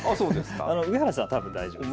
上原さんはたぶん大丈夫。